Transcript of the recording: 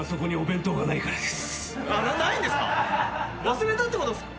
忘れたってことですか？